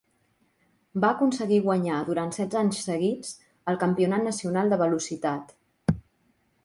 Va aconseguir guanyar durant setze anys seguits el Campionat nacional de Velocitat.